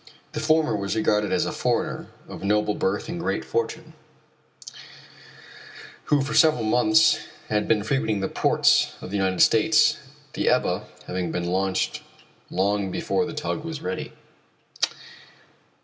The former was regarded as a foreigner of noble birth and great fortune, who for several months had been frequenting the ports of the United States, the Ebba having been launched long before the tug was ready.